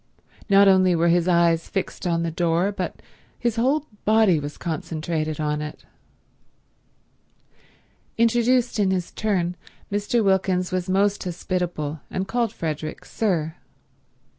Not only were his eyes fixed on the door but his whole body was concentrated on it. Introduced in his turn, Mr. Wilkins was most hospitable and called Frederick "sir."